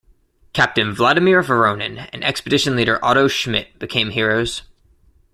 Captain Vladimir Voronin and expedition leader Otto Schmidt became heroes.